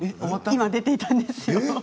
今出ていたんですよ。